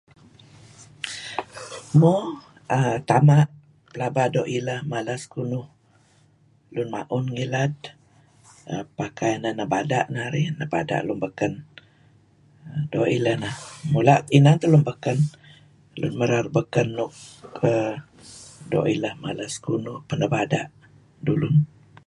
Mo, err tama' belaba doo' ileh mala sekunuh lun ma'un ngilad err pakai neh nebada' narih, nebada' lun beken. Doo' ileh neh, mula' inan teh lun beken, lun merar beken nuk err doo' ileh mala sekunuh peh nebada' dulun.